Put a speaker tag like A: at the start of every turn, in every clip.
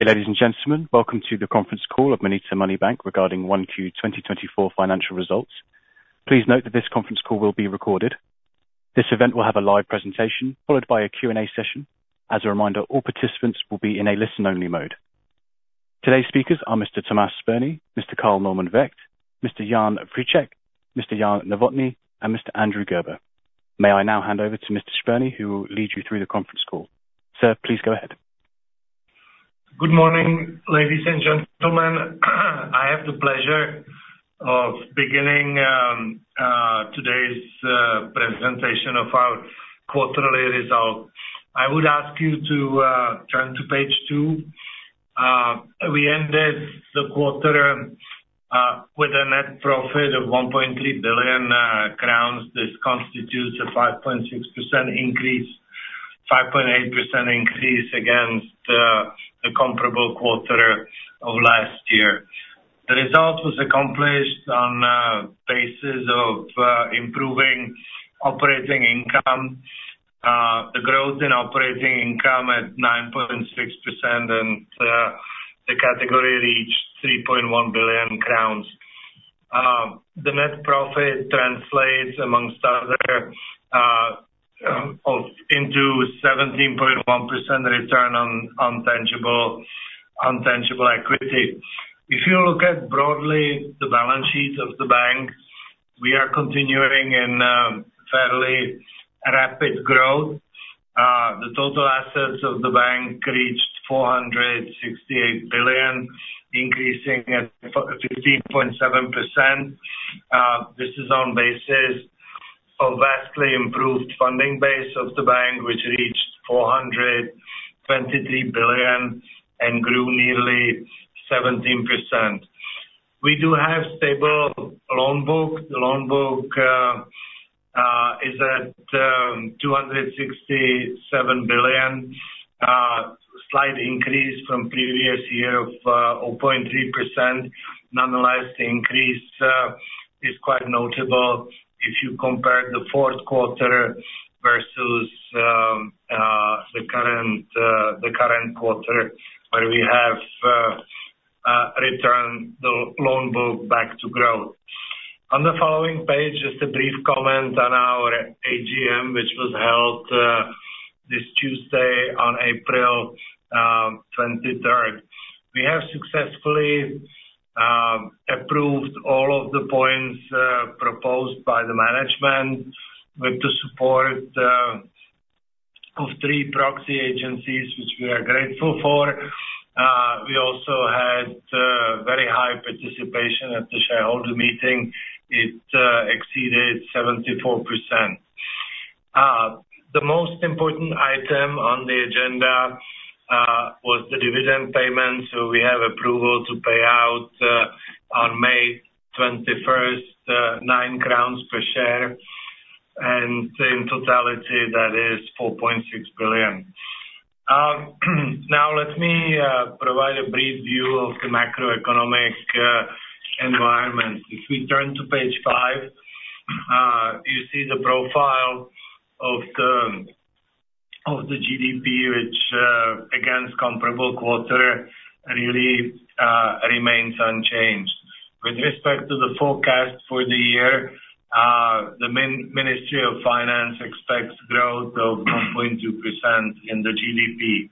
A: Ladies and gentlemen, welcome to the conference call of MONETA Money Bank regarding 1Q 2024 financial results. Please note that this conference call will be recorded. This event will have a live presentation followed by a Q&A session. As a reminder, all participants will be in a listen-only mode. Today's speakers are Mr. Tomáš Spurný, Mr. Carl Normann Vökt, Mr. Jan Friček, Mr. Jan Novotný, and Mr. Andrew Gerber. May I now hand over to Mr. Spurný, who will lead you through the conference call. Sir, please go ahead.
B: Good morning, ladies and gentlemen. I have the pleasure of beginning today's presentation of our quarterly result. I would ask you to turn to page 2. We ended the quarter with a net profit of 1.3 billion crowns. This constitutes a 5.6% increase, 5.8% increase against the comparable quarter of last year. The result was accomplished on basis of improving operating income, the growth in operating income at 9.6%, and the category reached 3.1 billion crowns. The net profit translates, amongst others, into 17.1% return on tangible equity. If you look at broadly the balance sheet of the bank, we are continuing in fairly rapid growth. The total assets of the bank reached 468 billion, increasing at 15.7%. This is on basis of vastly improved funding base of the bank, which reached 423 billion and grew nearly 17%. We do have stable loan book. The loan book is at 267 billion, slight increase from previous year of 0.3%. Nonetheless, the increase is quite notable if you compare the fourth quarter versus the current quarter where we have returned the loan book back to growth. On the following page, just a brief comment on our AGM, which was held this Tuesday on April 23rd. We have successfully approved all of the points proposed by the management with the support of three proxy agencies, which we are grateful for. We also had very high participation at the shareholder meeting. It exceeded 74%. The most important item on the agenda was the dividend payments. So, we have approval to pay out on May 21st, 9 crowns per share. And in totality, that is 4.6 billion. Now, let me provide a brief view of the macroeconomic environment. If we turn to page 5, you see the profile of the GDP, which, against comparable quarter, really remains unchanged. With respect to the forecast for the year, the Ministry of Finance expects growth of 1.2% in the GDP.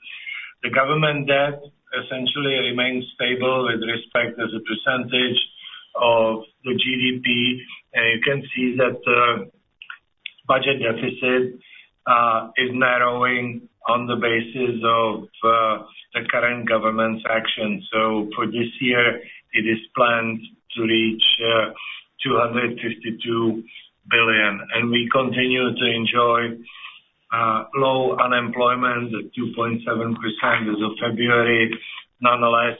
B: The government debt essentially remains stable with respect to as a percentage of the GDP. And you can see that the budget deficit is narrowing on the basis of the current government's actions. So, for this year, it is planned to reach 252 billion. And we continue to enjoy low unemployment at 2.7% as of February. Nonetheless,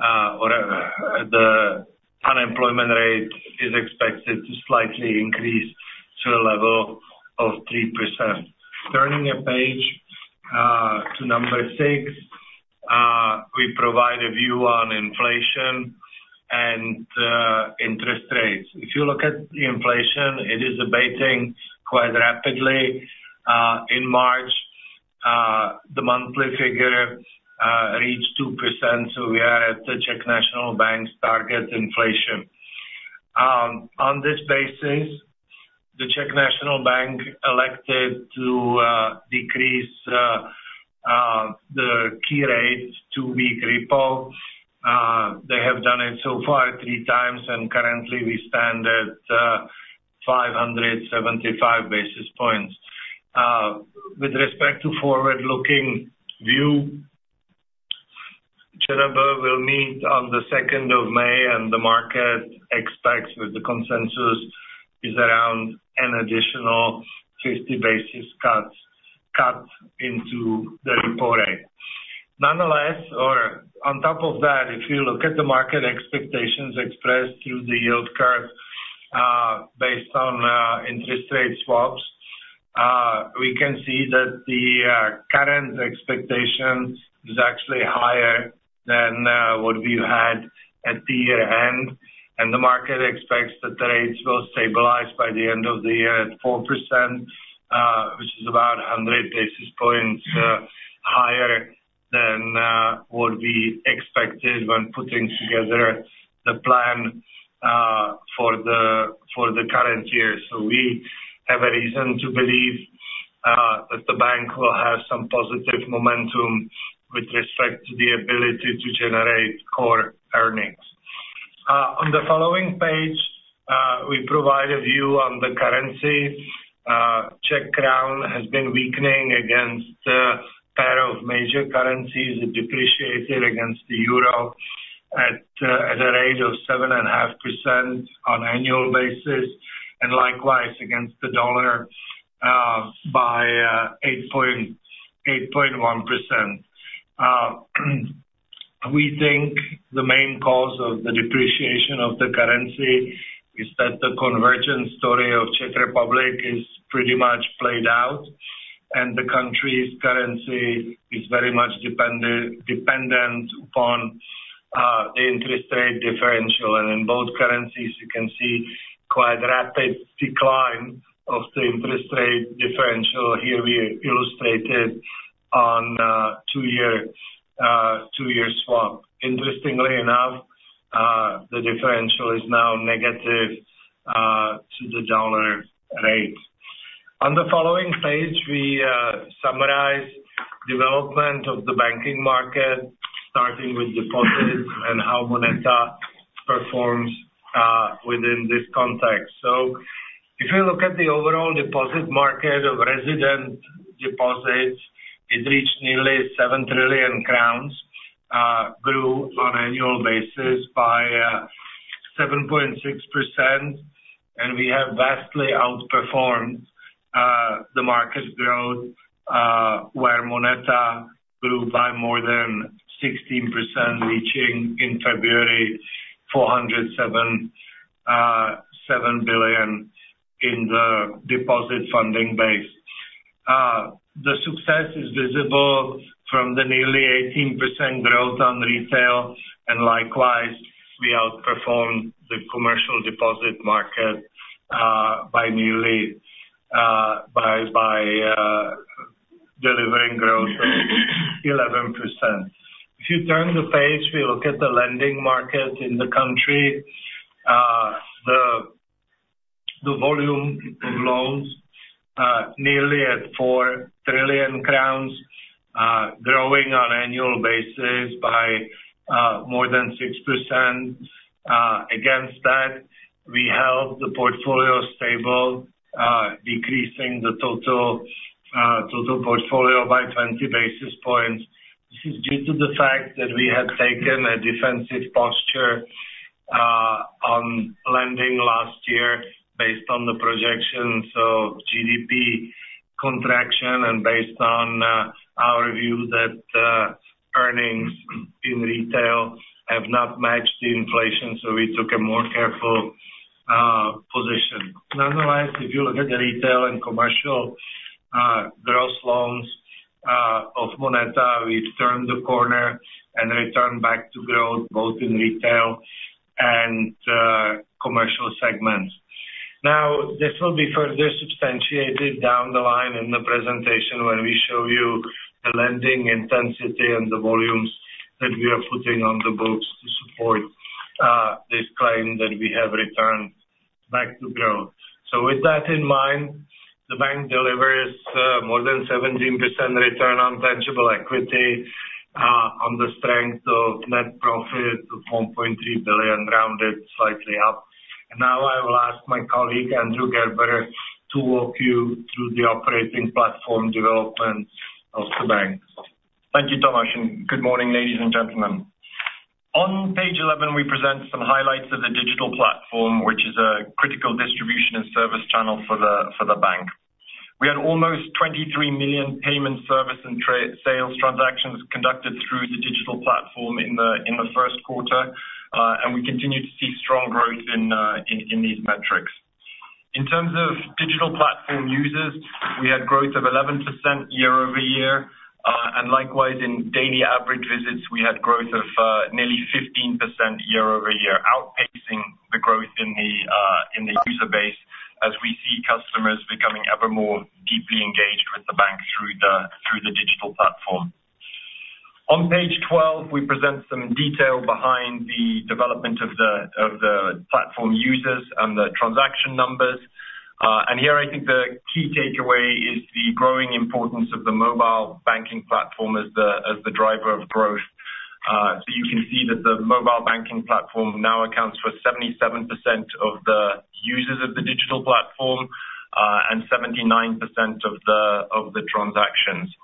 B: the unemployment rate is expected to slightly increase to a level of 3%. Turning a page to number 6, we provide a view on inflation and interest rates. If you look at the inflation, it is abating quite rapidly. In March, the monthly figure reached 2%. So, we are at the Czech National Bank's target inflation. On this basis, the Czech National Bank elected to decrease the key rate to two-week repo. They have done it so far 3 times. Currently, we stand at 575 basis points. With respect to forward-looking view, the Czech National Bank will meet on the 2nd of May. The market expects, with the consensus, is around an additional 50 basis points cut into the repo rate. Nonetheless, or on top of that, if you look at the market expectations expressed through the yield curve based on interest rate swaps, we can see that the current expectation is actually higher than what we had at the year-end. The market expects that the rates will stabilize by the end of the year at 4%, which is about 100 basis points higher than what we expected when putting together the plan for the current year. We have a reason to believe that the bank will have some positive momentum with respect to the ability to generate core earnings. On the following page, we provide a view on the currency. Czech crown has been weakening against a pair of major currencies. It depreciated against the euro at a rate of 7.5% on an annual basis and likewise against the dollar by 8.1%. We think the main cause of the depreciation of the currency is that the convergence story of Czech Republic is pretty much played out. The country's currency is very much dependent upon the interest rate differential. In both currencies, you can see quite rapid decline of the interest rate differential here illustrated on a two-year swap. Interestingly enough, the differential is now negative to the dollar rate. On the following page, we summarize development of the banking market, starting with deposits and how MONETA performs within this context. If you look at the overall deposit market of resident deposits, it reached nearly 7 trillion crowns, grew on annual basis by 7.6%. We have vastly outperformed the market growth, where MONETA grew by more than 16%, reaching in February 407 billion in the deposit funding base. The success is visible from the nearly 18% growth on retail. Likewise, we outperformed the commercial deposit market by delivering growth of 11%. If you turn the page, we look at the lending market in the country, the volume of loans nearly at 4 trillion crowns, growing on annual basis by more than 6%. Against that, we held the portfolio stable, decreasing the total portfolio by 20 basis points. This is due to the fact that we had taken a defensive posture on lending last year based on the projections of GDP contraction and based on our view that earnings in retail have not matched the inflation. So, we took a more careful position. Nonetheless, if you look at the retail and commercial gross loans of MONETA, we've turned the corner and returned back to growth both in retail and commercial segments. Now, this will be further substantiated down the line in the presentation when we show you the lending intensity and the volumes that we are putting on the books to support this claim that we have returned back to growth. So, with that in mind, the bank delivers more than 17% return on tangible equity on the strength of net profit of 1.3 billion, rounded slightly up. Now, I will ask my colleague, Andrew Gerber, to walk you through the operating platform development of the bank.
C: Thank you, Tomáš. Good morning, ladies and gentlemen. On page 11, we present some highlights of the digital platform, which is a critical distribution and service channel for the bank. We had almost 23 million payment, service, and sales transactions conducted through the digital platform in the first quarter. We continue to see strong growth in these metrics. In terms of digital platform users, we had growth of 11% year-over-year. Likewise, in daily average visits, we had growth of nearly 15% year-over-year, outpacing the growth in the user base as we see customers becoming ever more deeply engaged with the bank through the digital platform. On page 12, we present some detail behind the development of the platform users and the transaction numbers. Here, I think the key takeaway is the growing importance of the mobile banking platform as the driver of growth. You can see that the mobile banking platform now accounts for 77% of the users of the digital platform and 79% of the transactions.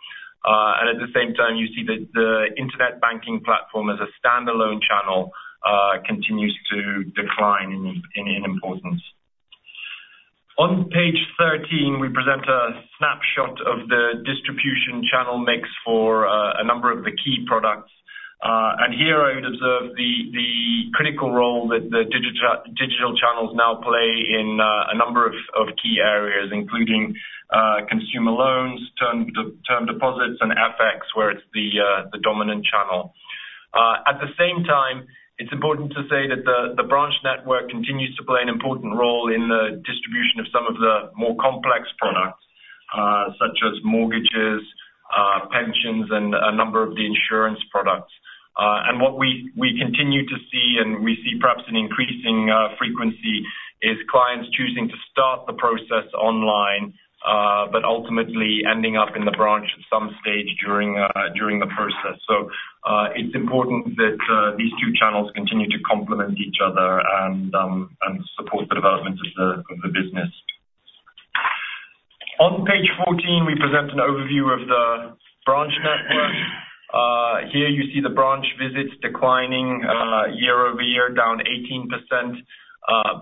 C: At the same time, you see that the internet banking platform as a standalone channel continues to decline in importance. On page 13, we present a snapshot of the distribution channel mix for a number of the key products. Here, I would observe the critical role that the digital channels now play in a number of key areas, including consumer loans, term deposits, and FX, where it's the dominant channel. At the same time, it's important to say that the branch network continues to play an important role in the distribution of some of the more complex products, such as mortgages, pensions, and a number of the insurance products. And what we continue to see, and we see perhaps an increasing frequency, is clients choosing to start the process online but ultimately ending up in the branch at some stage during the process. So, it's important that these two channels continue to complement each other and support the development of the business. On page 14, we present an overview of the branch network. Here, you see the branch visits declining year-over-year, down 18%.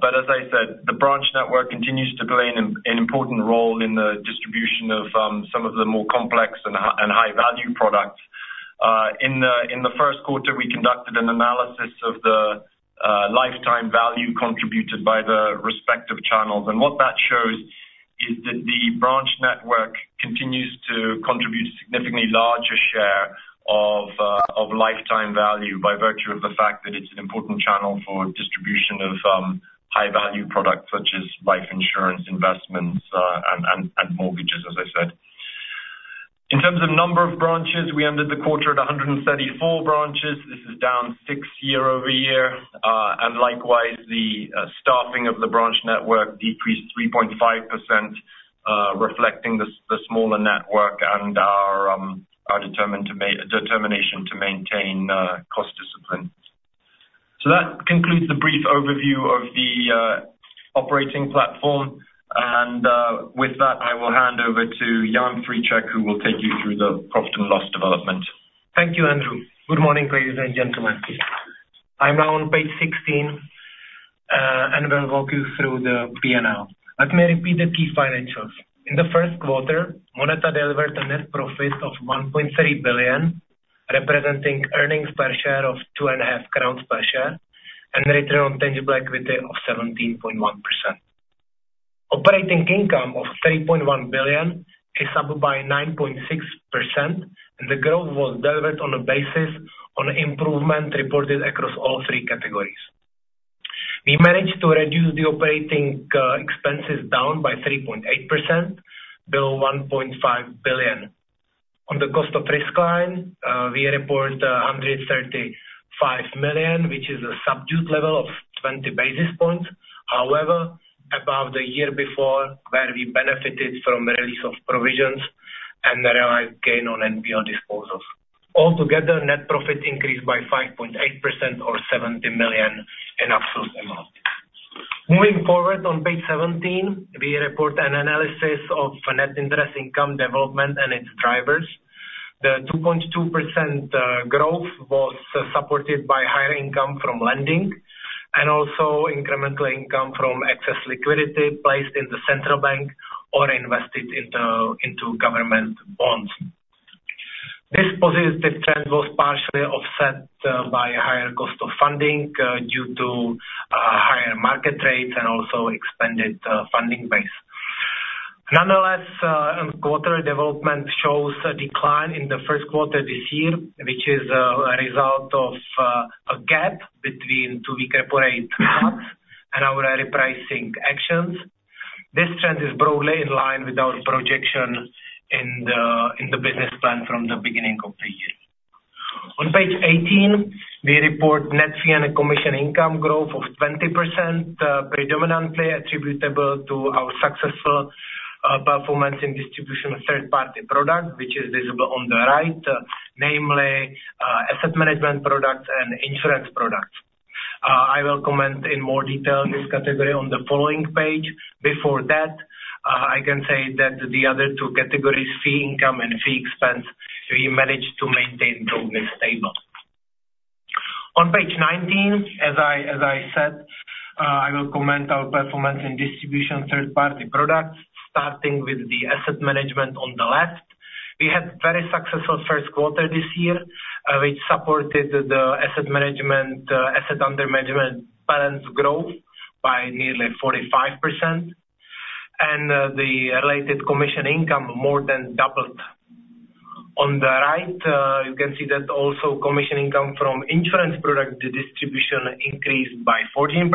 C: But as I said, the branch network continues to play an important role in the distribution of some of the more complex and high-value products. In the first quarter, we conducted an analysis of the lifetime value contributed by the respective channels. What that shows is that the branch network continues to contribute a significantly larger share of lifetime value by virtue of the fact that it's an important channel for distribution of high-value products such as life insurance, investments, and mortgages, as I said. In terms of number of branches, we ended the quarter at 134 branches. This is down 6 year-over-year. Likewise, the staffing of the branch network decreased 3.5%, reflecting the smaller network and our determination to maintain cost discipline. That concludes the brief overview of the operating platform. With that, I will hand over to Jan Friček, who will take you through the profit and loss development.
D: Thank you, Andrew. Good morning, ladies and gentlemen. I'm now on page 16. I will walk you through the P&L. Let me repeat the key financials. In the first quarter, MONETA delivered a net profit of 1.3 billion, representing earnings per share of 2.5 crowns per share and return on tangible equity of 17.1%. Operating income of 3.1 billion is up by 9.6%. And the growth was delivered on a basis on improvement reported across all three categories. We managed to reduce the operating expenses down by 3.8%, below 1.5 billion. On the cost of risk line, we report 135 million, which is a subdued level of 20 basis points, however, above the year before where we benefited from release of provisions and realized gain on NPL disposals. Altogether, net profit increased by 5.8%, or 70 million in absolute amount. Moving forward on page 17, we report an analysis of net interest income development and its drivers. The 2.2% growth was supported by higher income from lending and also incremental income from excess liquidity placed in the central bank or invested into government bonds. This positive trend was partially offset by higher cost of funding due to higher market rates and also expanded funding base. Nonetheless, quarterly development shows a decline in the first quarter this year, which is a result of a gap between two-week repo rate cuts and our repricing actions. This trend is broadly in line with our projection in the business plan from the beginning of the year. On page 18, we report net fee and commission income growth of 20%, predominantly attributable to our successful performance in distribution of third-party products, which is visible on the right, namely Asset Management products and Insurance products. I will comment in more detail this category on the following page. Before that, I can say that the other two categories, fee income and fee expense, we managed to maintain strongly stable. On page 19, as I said, I will comment our performance in distribution third-party products, starting with the Asset Management on the left. We had very successful first quarter this year, which supported the Asset Management, asset under management balance growth by nearly 45%. And the related commission income more than doubled. On the right, you can see that also commission income from Insurance product distribution increased by 14%.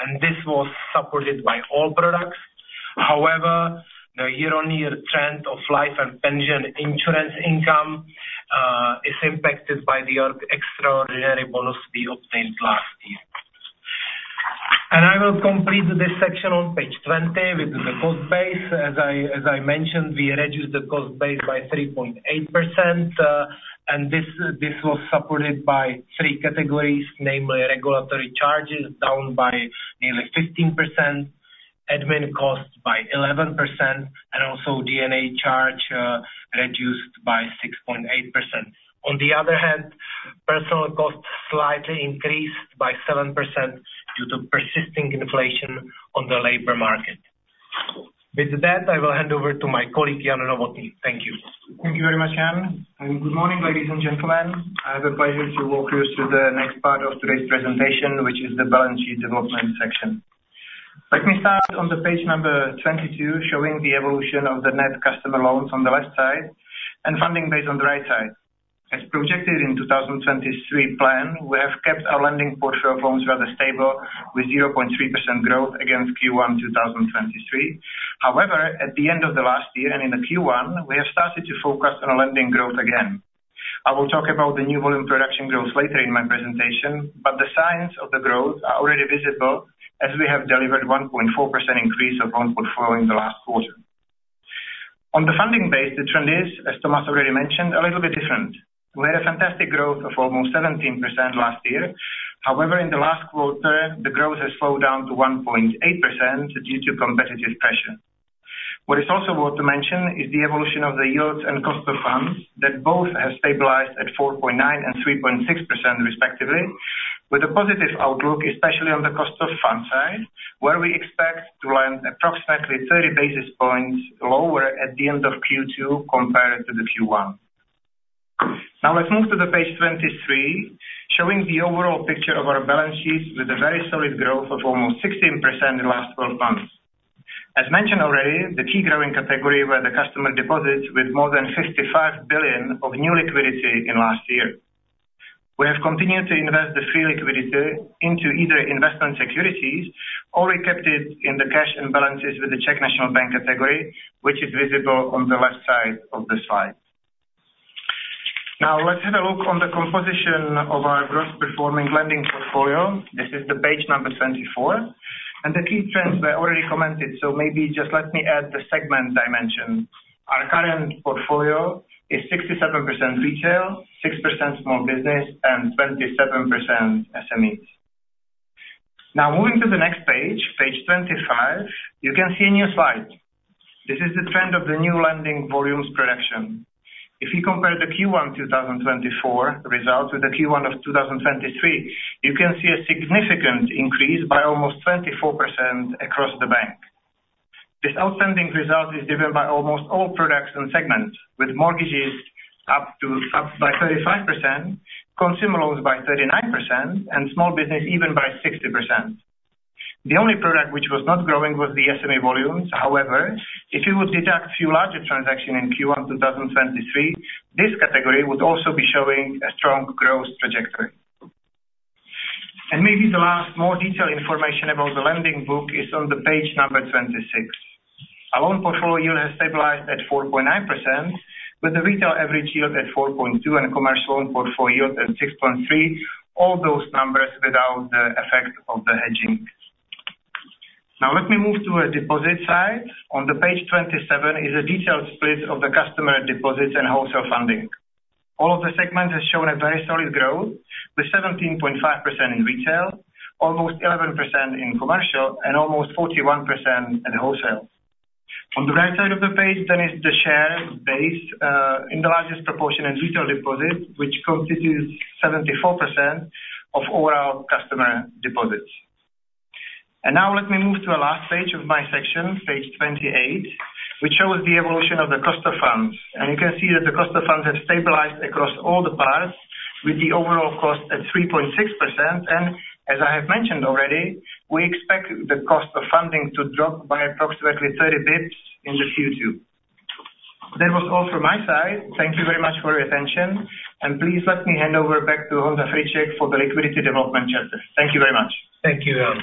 D: And this was supported by all products. However, the year-on-year trend of Life and Pension Insurance income is impacted by the extraordinary bonus we obtained last year. And I will complete this section on page 20 with the cost base. As I mentioned, we reduced the cost base by 3.8%. And this was supported by three categories, namely regulatory charges down by nearly 15%, admin costs by 11%, and also D&A charge reduced by 6.8%. On the other hand, personal costs slightly increased by 7% due to persisting inflation on the labor market. With that, I will hand over to my colleague, Jan Novotný. Thank you.
E: Thank you very much, Jan. And good morning, ladies and gentlemen. I have the pleasure to walk you through the next part of today's presentation, which is the balance sheet development section. Let me start on page number 22, showing the evolution of the net customer Loans on the left side and Funding base on the right side. As projected in 2023 plan, we have kept our Lending portfolio of Loans rather stable with 0.3% growth against Q1 2023. However, at the end of the last year and in the Q1, we have started to focus on Lending growth again. I will talk about the new volume production growth later in my presentation. But the signs of the growth are already visible as we have delivered 1.4% increase of Loan portfolio in the last quarter. On the Funding base, the trend is, as Tomáš already mentioned, a little bit different. We had a fantastic growth of almost 17% last year. However, in the last quarter, the growth has slowed down to 1.8% due to competitive pressure. What is also worth to mention is the evolution of the yields and cost of funds that both have stabilized at 4.9% and 3.6%, respectively, with a positive outlook, especially on the cost of funds side, where we expect to land approximately 30 basis points lower at the end of Q2 compared to the Q1. Now, let's move to page 23, showing the overall picture of our balance sheet with a very solid growth of almost 16% in the last 12 months. As mentioned already, the key growing category were the customer deposits with more than 55 billion of new liquidity in last year. We have continued to invest the free liquidity into either investment securities or we kept it in the cash and balances with the Czech National Bank category, which is visible on the left side of the slide. Now, let's have a look on the composition of our gross performing Lending portfolio. This is page 24. The key trends were already commented. Maybe just let me add the segment dimension. Our current portfolio is 67% Retail, 6% small business, and 27% SMEs. Now, moving to the next page, page 25, you can see a new slide. This is the trend of the new Lending volumes production. If we compare the Q1 2024 result with the Q1 of 2023, you can see a significant increase by almost 24% across the bank. This outstanding result is driven by almost all products and segments, with Mortgages up by 35%, Consumer loans by 39%, and small business even by 60%. The only product which was not growing was the SME volumes. However, if you would deduct a few larger transactions in Q1 2023, this category would also be showing a strong growth trajectory. Maybe the last more detailed information about the lending book is on page number 26. A Loan portfolio yield has stabilized at 4.9%, with the Retail average yield at 4.2% and Commercial Loan portfolio yield at 6.3%, all those numbers without the effect of the Hedging. Now, let me move to the deposit side. On page 27 is a detailed split of the customer deposits and wholesale funding. All of the segments have shown a very solid growth with 17.5% in Retail, almost 11% in Commercial, and almost 41% in Wholesale. On the right side of the page, then is the share base in the largest proportion in Retail deposits, which constitutes 74% of overall customer deposits. Now, let me move to the last page of my section, page 28, which shows the evolution of the cost of funds. You can see that the cost of funds have stabilized across all the parts, with the overall cost at 3.6%. As I have mentioned already, we expect the cost of funding to drop by approximately 30 bps in the Q2. That was all from my side. Thank you very much for your attention. Please let me hand over back to Jan Friček for the liquidity development chapter. Thank you very much.
D: Thank you, Jan.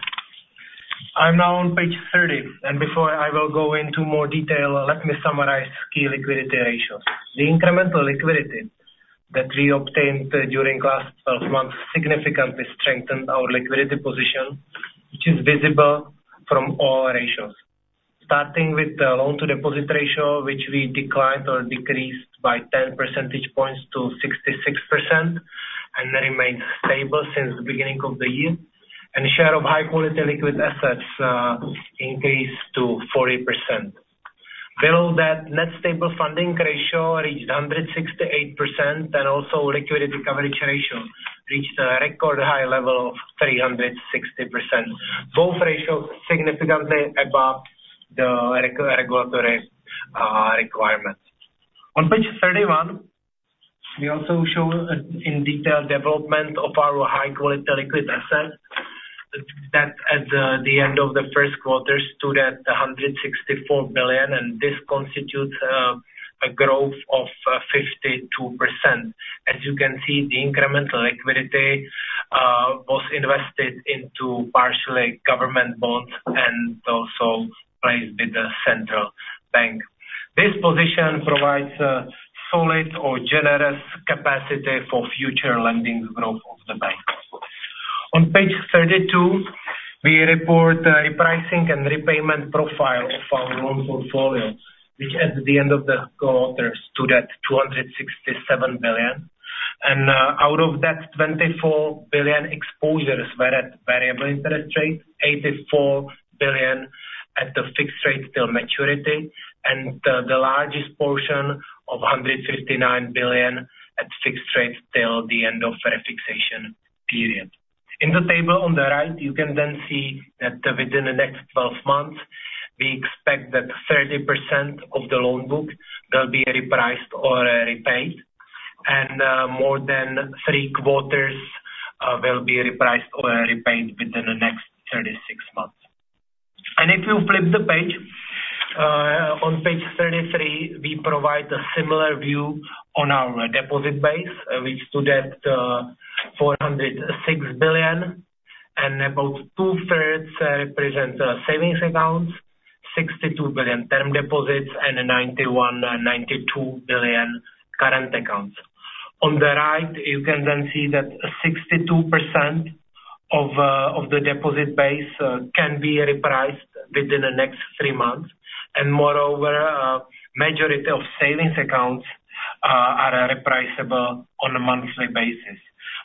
D: I'm now on page 30. Before I will go into more detail, let me summarize key liquidity ratios. The incremental liquidity that we obtained during the last 12 months significantly strengthened our liquidity position, which is visible from all ratios, starting with the loan-to-deposit ratio, which we declined or decreased by 10 percentage points to 66% and remains stable since the beginning of the year. The share of high-quality liquid assets increased to 40%. Below that, net stable funding ratio reached 168%. Also liquidity coverage ratio reached a record high level of 360%, both ratios significantly above the regulatory requirements. On page 31, we also show in detail the development of our high-quality liquid assets that at the end of the first quarter stood at 164 billion. This constitutes a growth of 52%. As you can see, the incremental liquidity was invested into partially government bonds and also placed with the central bank. This position provides a solid or generous capacity for future lending growth of the bank. On page 32, we report the repricing and repayment profile of our Loan portfolio, which at the end of the quarter stood at 267 billion. Out of that, 24 billion exposures were at variable interest rates, 84 billion at the fixed rate till maturity, and the largest portion of 159 billion at fixed rate till the end of fixation period. In the table on the right, you can then see that within the next 12 months, we expect that 30% of the loan book will be repriced or repaid. More than three quarters will be repriced or repaid within the next 36 months. If you flip the page, on page 33, we provide a similar view on our deposit base, which stood at 406 billion. About 2/3 represent savings accounts, 62 billion term deposits, and 91-92 billion current accounts. On the right, you can then see that 62% of the deposit base can be repriced within the next three months. Moreover, a majority of savings accounts are repriceable on a monthly basis.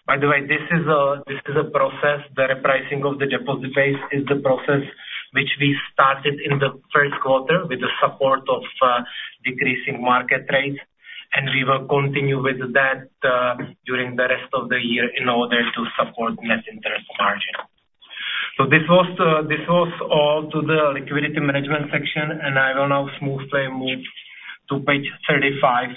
D: By the way, this is a process. The repricing of the deposit base is the process which we started in the first quarter with the support of decreasing market rates. We will continue with that during the rest of the year in order to support net interest margin. This was all to the liquidity management section. I will now smoothly move to page 35,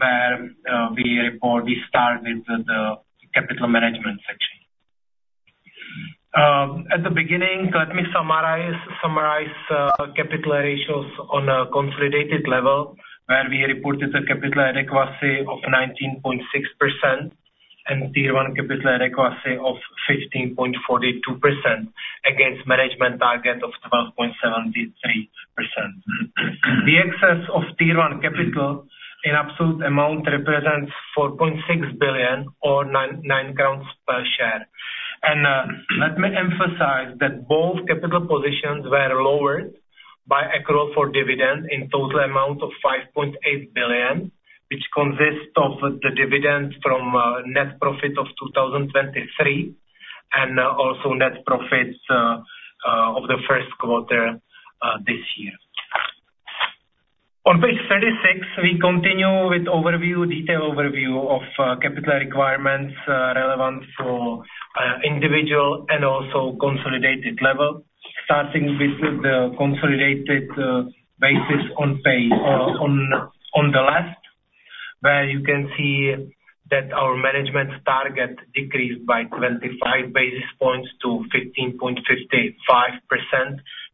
D: where we report we start with the capital management section. At the beginning, let me summarize capital ratios on a consolidated level, where we reported a capital adequacy of 19.6% and Tier 1 capital adequacy of 15.42% against management target of 12.73%. The excess of Tier 1 capital in absolute amount represents 4.6 billion or 9 crowns per share. Let me emphasize that both capital positions were lowered by an accrual for dividend in total amount of 5.8 billion, which consists of the dividend from net profit of 2023 and also net profits of the first quarter this year. On page 36, we continue with detailed overview of capital requirements relevant for individual and also consolidated level, starting with the consolidated basis on the left, where you can see that our management target decreased by 25 basis points to 15.55%,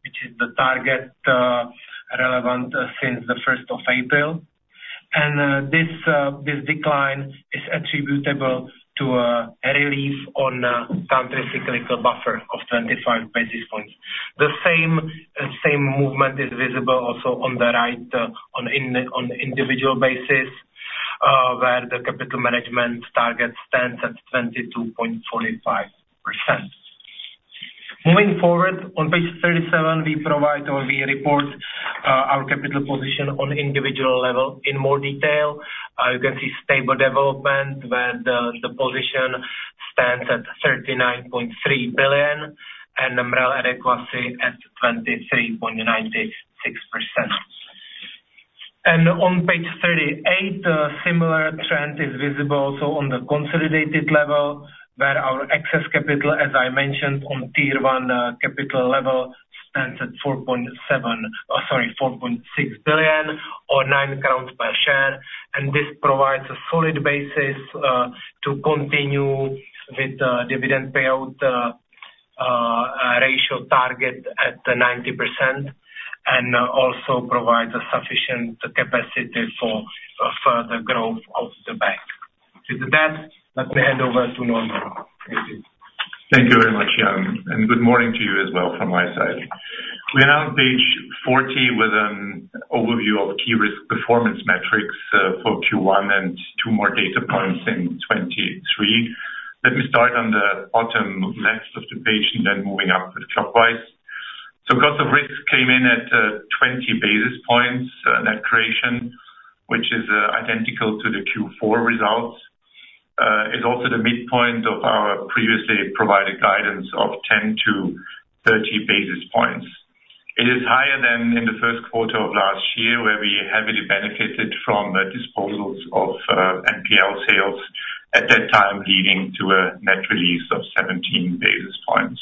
D: which is the target relevant since the 1st of April. This decline is attributable to a relief on the countercyclical buffer of 25 basis points. The same movement is visible also on the right on individual basis, where the capital management target stands at 22.45%. Moving forward, on page 37, we report our capital position on individual level in more detail. You can see stable development, where the position stands at 39.3 billion and MREL adequacy at 23.96%. On page 38, a similar trend is visible also on the consolidated level, where our excess capital, as I mentioned, on Tier 1 capital level stands at 4.7 sorry, 4.6 billion or 9 crowns per share. And this provides a solid basis to continue with the dividend payout ratio target at 90% and also provides a sufficient capacity for further growth of the bank. With that, let me hand over to Norman. Thank you.
F: Thank you very much, Jan. Good morning to you as well from my side. We announced page 40 with an overview of key risk performance metrics for Q1 and two more data points in 2023. Let me start on the bottom left of the page and then moving up clockwise. So, cost of risk came in at 20 basis points net creation, which is identical to the Q4 results. It's also the midpoint of our previously provided guidance of 10-30 basis points. It is higher than in the first quarter of last year, where we heavily benefited from the disposals of NPL sales at that time, leading to a net release of 17 basis points.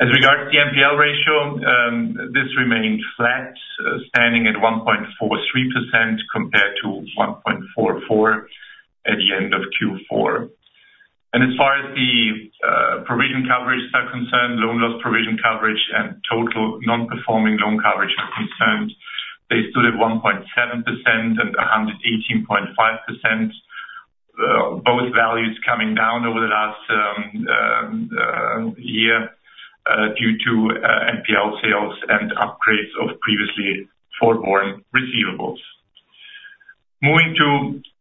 F: As regards to the NPL ratio, this remained flat, standing at 1.43% compared to 1.44% at the end of Q4. As far as the provision coverage is concerned, loan loss provision coverage, and total non-performing loan coverage are concerned, they stood at 1.7% and 118.5%, both values coming down over the last year due to NPL sales and upgrades of previously forborne receivables. Moving to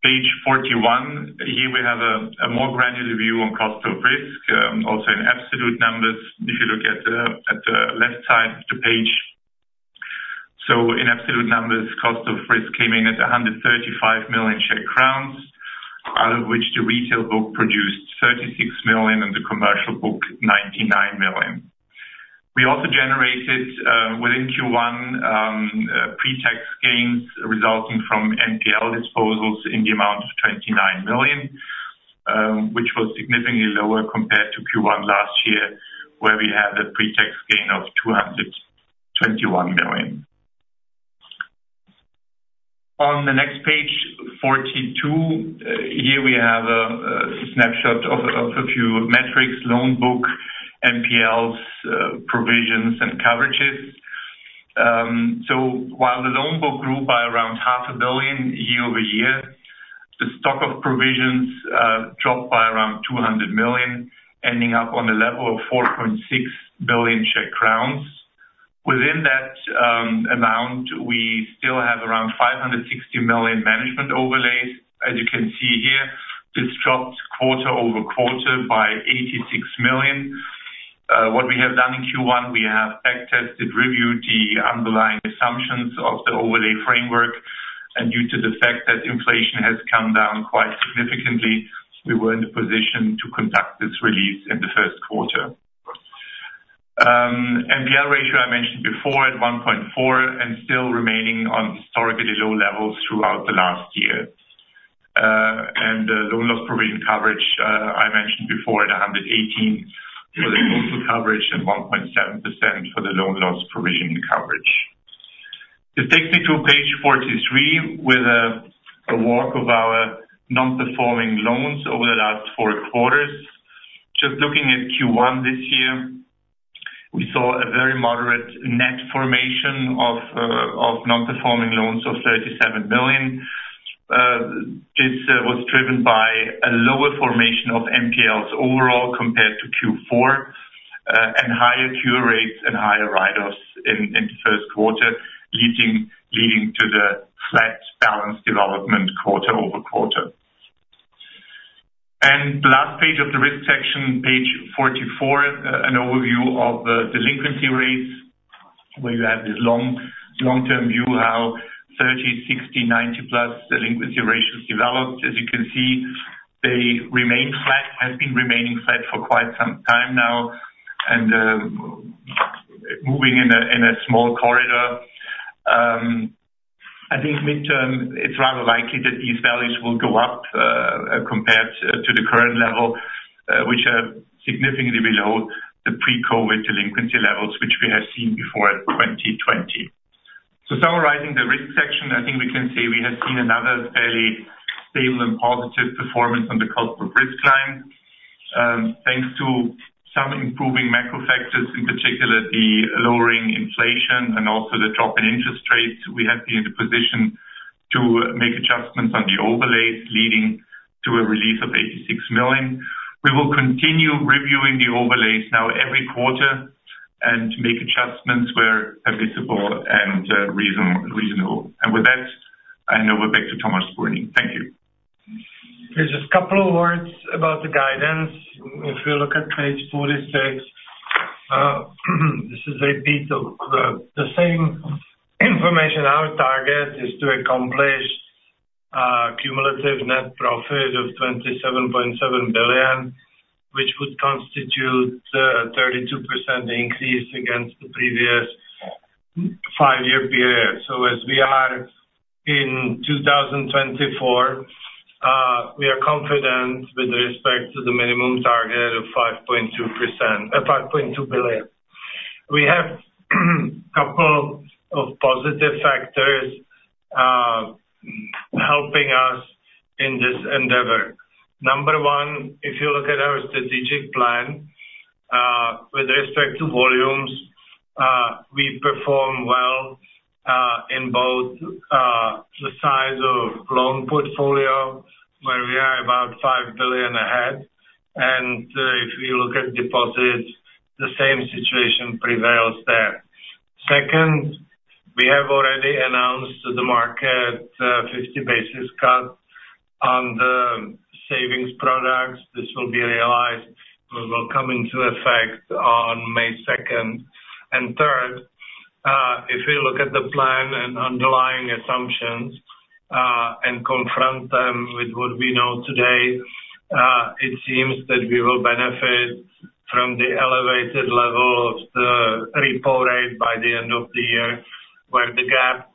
F: page 41, here, we have a more granular view on cost of risk, also in absolute numbers, if you look at the left side of the page. So, in absolute numbers, cost of risk came in at 135 million Czech crowns, out of which the retail book produced 36 million and the commercial book 99 million. We also generated, within Q1, pretax gains resulting from NPL disposals in the amount of 29 million, which was significantly lower compared to Q1 last year, where we had a pretax gain of 221 million. On the next page, 42, here, we have a snapshot of a few metrics: loan book, NPLs, provisions, and coverages. So, while the loan book grew by around 500 million year-over-year, the stock of provisions dropped by around 200 million, ending up on the level of 4.6 billion Czech crowns. Within that amount, we still have around 560 million management overlays. As you can see here, this dropped quarter-over-quarter by 86 million. What we have done in Q1, we have backtested, reviewed the underlying assumptions of the overlay framework. And due to the fact that inflation has come down quite significantly, we were in the position to conduct this release in the first quarter. NPL ratio, I mentioned before, at 1.4% and still remaining on historically low levels throughout the last year. Loan loss provision coverage, I mentioned before, at 118% for the total coverage and 1.7% for the Loan Loss provision coverage. This takes me to page 43 with a walk of our non-performing loans over the last four quarters. Just looking at Q1 this year, we saw a very moderate net formation of non-performing loans of 37 million. This was driven by a lower formation of NPLs overall compared to Q4 and higher cure rates and higher write-offs in the first quarter, leading to the flat balance development quarter-over-quarter. The last page of the risk section, page 44, an overview of the delinquency rates, where you have this long-term view of how 30, 60, 90-plus delinquency ratios developed. As you can see, they remain flat, have been remaining flat for quite some time now, and moving in a small corridor. I think, midterm, it's rather likely that these values will go up compared to the current level, which are significantly below the pre-COVID delinquency levels, which we have seen before in 2020. So, summarizing the risk section, I think we can say we have seen another fairly stable and positive performance on the cost of risk line. Thanks to some improving macro factors, in particular the lowering inflation and also the drop in interest rates, we have been in the position to make adjustments on the overlays, leading to a release of 86 million. We will continue reviewing the overlays now every quarter and make adjustments where they're visible and reasonable. And with that, I hand over back to Tomáš Spurný. Thank you.
B: There's just a couple of words about the guidance. If you look at page 46, this is a repeat of the same information. Our target is to accomplish cumulative net profit of 27.7 billion, which would constitute a 32% increase against the previous five-year period. So, as we are in 2024, we are confident with respect to the minimum target of 5.2 billion. We have a couple of positive factors helping us in this endeavor. Number one, if you look at our strategic plan, with respect to volumes, we perform well in both the size of Loan portfolio, where we are about 5 billion ahead. And if we look at deposits, the same situation prevails there. Second, we have already announced to the market a 50-basis cut on the Savings products. This will be realized or will come into effect on May 2nd. And third, if we look at the plan and underlying assumptions and confront them with what we know today, it seems that we will benefit from the elevated level of the repo rate by the end of the year, where the gap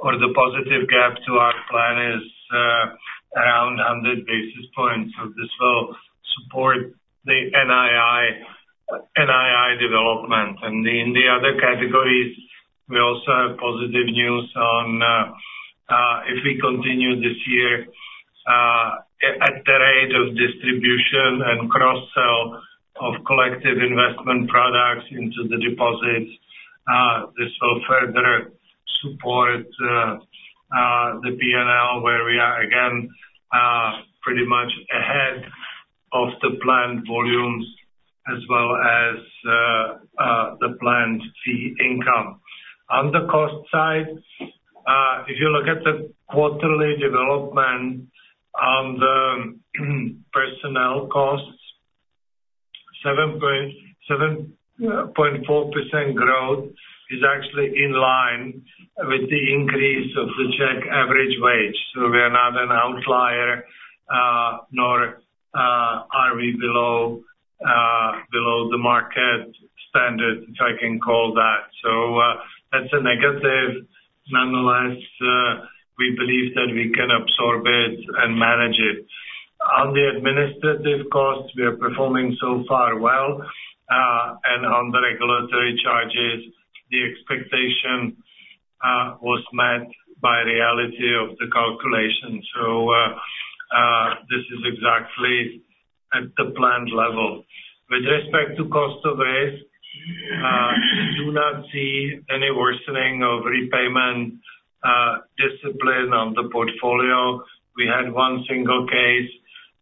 B: or the positive gap to our plan is around 100 basis points. So, this will support the NII development. And in the other categories, we also have positive news on if we continue this year at the rate of distribution and cross-sell of collective investment products into the deposits, this will further support the P&L, where we are, again, pretty much ahead of the planned volumes as well as the planned fee income. On the cost side, if you look at the quarterly development on the personnel costs, 7.4% growth is actually in line with the increase of the Czech average wage. So, we are not an outlier, nor are we below the market standard, if I can call that. So, that's a negative. Nonetheless, we believe that we can absorb it and manage it. On the administrative costs, we are performing so far well. On the regulatory charges, the expectation was met by reality of the calculation. So, this is exactly at the planned level. With respect to cost of risk, we do not see any worsening of repayment discipline on the portfolio. We had one single case,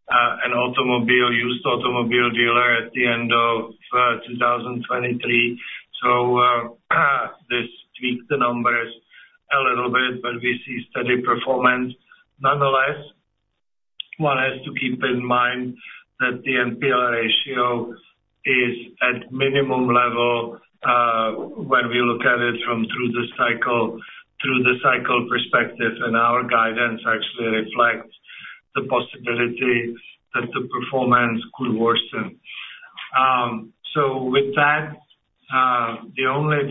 B: a used automobile dealer at the end of 2023. So, this tweaked the numbers a little bit, but we see steady performance. Nonetheless, one has to keep in mind that the NPL ratio is at minimum level when we look at it through the cycle perspective. Our guidance actually reflects the possibility that the performance could worsen. With that, the only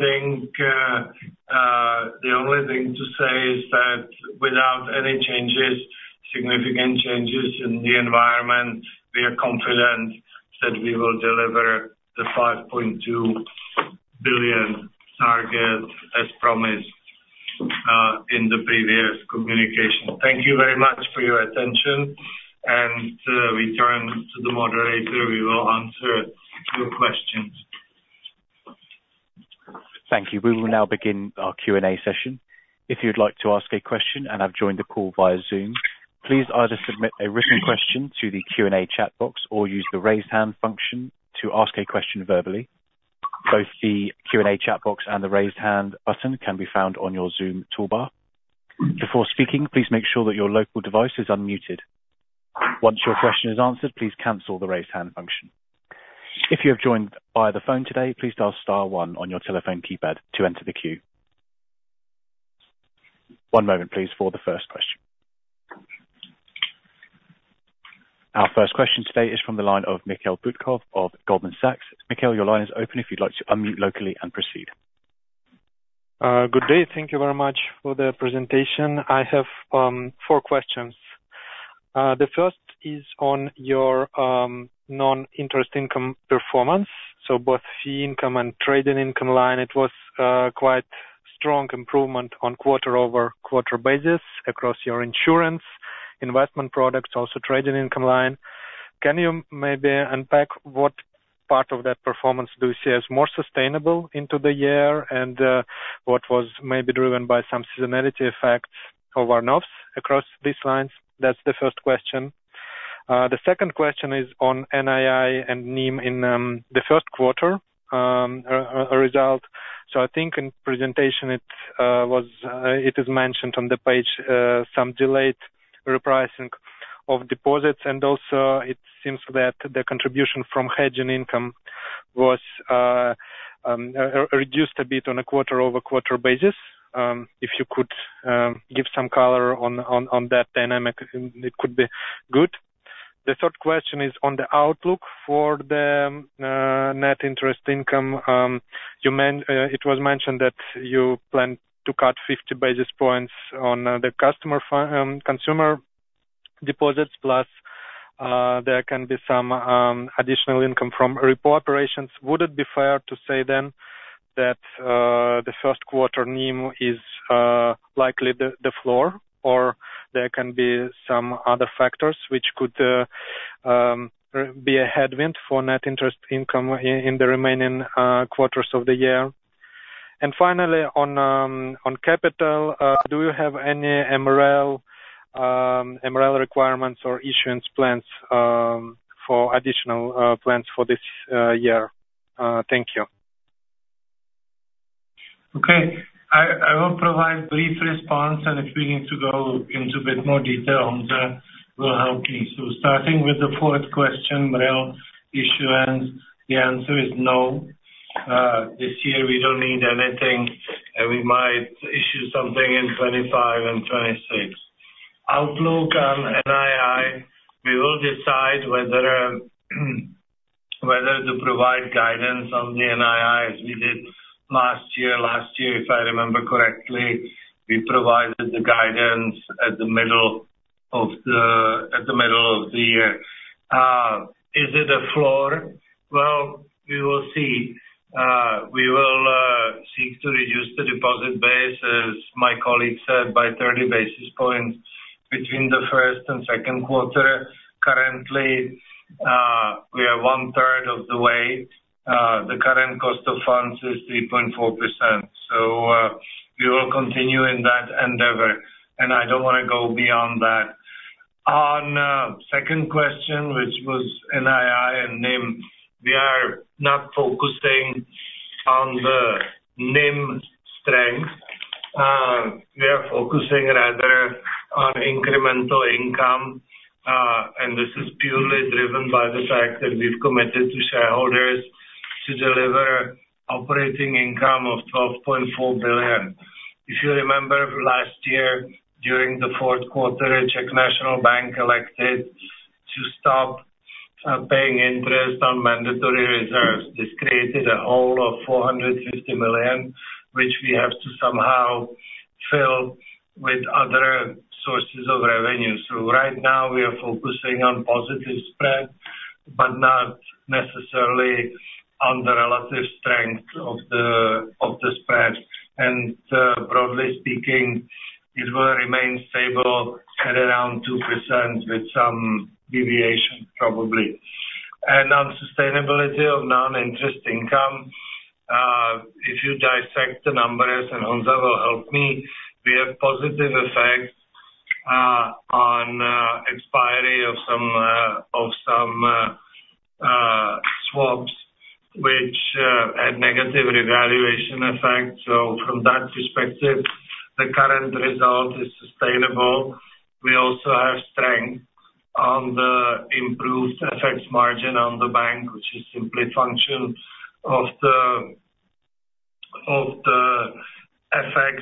B: thing to say is that without any significant changes in the environment, we are confident that we will deliver the 5.2 billion target as promised in the previous communication. Thank you very much for your attention. We turn to the moderator. We will answer your questions.
A: Thank you. We will now begin our Q&A session. If you'd like to ask a question and have joined the call via Zoom, please either submit a written question to the Q&A chat box or use the raise hand function to ask a question verbally. Both the Q&A chat box and the raise hand button can be found on your Zoom toolbar. Before speaking, please make sure that your local device is unmuted. Once your question is answered, please cancel the raise hand function. If you have joined via the phone today, please dial star one on your telephone keypad to enter the queue. One moment, please, for the first question. Our first question today is from the line of Mikhail Butkov of Goldman Sachs. Mikhail, your line is open. If you'd like to unmute locally and proceed.
G: Good day. Thank you very much for the presentation. I have four questions. The first is on your non-interest income performance. So, both fee income and trading income line, it was quite strong improvement on quarter-over-quarter basis across your insurance, investment products, also trading income line. Can you maybe unpack what part of that performance do you see as more sustainable into the year and what was maybe driven by some seasonality effects or one-offs across these lines? That's the first question. The second question is on NII and NIM in the first quarter result. So I think, in presentation, it is mentioned on the page some delayed repricing of deposits. And also, it seems that the contribution from hedging income was reduced a bit on a quarter-over-quarter basis. If you could give some color on that dynamic, it could be good. The third question is on the outlook for the net interest income. It was mentioned that you plan to cut 50 basis points on the consumer deposits, plus there can be some additional income from repo operations. Would it be fair to say then that the first quarter NIM is likely the floor, or there can be some other factors which could be a headwind for net interest income in the remaining quarters of the year? And finally, on capital, do you have any MREL requirements or issuance plans for additional plans for this year? Thank you.
B: Okay. I will provide brief response. If we need to go into a bit more detail, he will help me. So, starting with the fourth question, MREL issuance, the answer is no. This year, we don't need anything. We might issue something in 2025 and 2026. Outlook on NII, we will decide whether to provide guidance on the NII as we did last year. Last year, if I remember correctly, we provided the guidance at the middle of the year. Is it a floor? Well, we will see. We will seek to reduce the deposit base, as my colleague said, by 30 basis points between the first and second quarter. Currently, we are 1/3 of the way. The current cost of funds is 3.4%. So, we will continue in that endeavor. I don't want to go beyond that. On the second question, which was NII and NIM, we are not focusing on the NIM strength. We are focusing rather on incremental income. And this is purely driven by the fact that we've committed to shareholders to deliver operating income of 12.4 billion. If you remember last year, during the fourth quarter, Czech National Bank elected to stop paying interest on mandatory reserves. This created a hole of 450 million, which we have to somehow fill with other sources of revenue. So, right now, we are focusing on positive spread but not necessarily on the relative strength of the spread. And broadly speaking, it will remain stable at around 2% with some deviation, probably. And on sustainability of non-interest income, if you dissect the numbers and Honza will help me, we have positive effects on expiry of some swaps, which had negative revaluation effects. So, from that perspective, the current result is sustainable. We also have strength on the improved FX margin on the bank, which is simply a function of the FX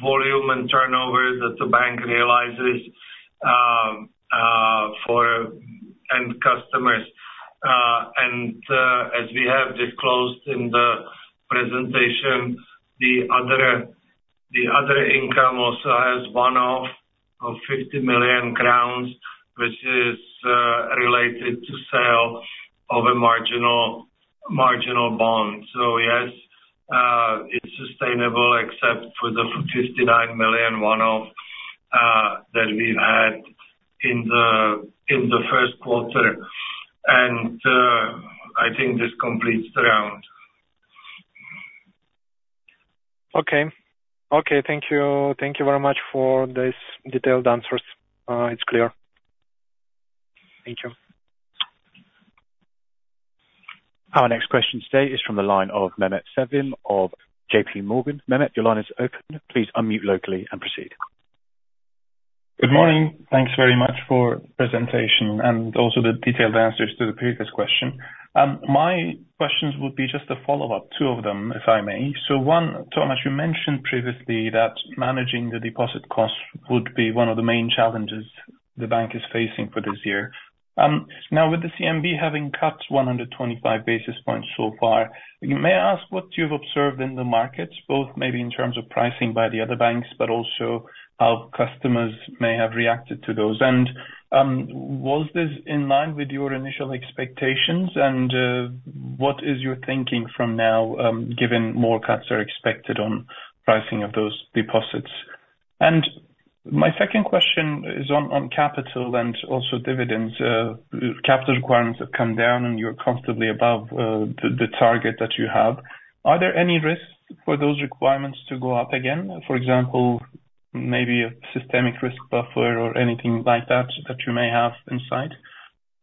B: volume and turnover that the bank realizes for end customers. And as we have disclosed in the presentation, the other income also has one-off of 50 million crowns, which is related to sale of a marginal bond. So yes, it's sustainable except for the 59 million one-off that we've had in the first quarter. And I think this completes the round.
G: Okay. Okay. Thank you. Thank you very much for these detailed answers. It's clear. Thank you.
A: Our next question today is from the line of Mehmet Sevim of JP Morgan. Mehmet, your line is open. Please unmute locally and proceed.
H: Good morning. Thanks very much for the presentation and also the detailed answers to the previous question. My questions would be just a follow-up, two of them, if I may. So one, Tomáš, you mentioned previously that managing the deposit costs would be one of the main challenges the bank is facing for this year. Now, with the CNB having cut 125 basis points so far, you may ask what you've observed in the markets, both maybe in terms of pricing by the other banks but also how customers may have reacted to those. Was this in line with your initial expectations? What is your thinking from now, given more cuts are expected on pricing of those deposits? My second question is on capital and also dividends. Capital requirements have come down, and you're comfortably above the target that you have. Are there any risks for those requirements to go up again, for example, maybe a systemic risk buffer or anything like that that you may have in sight?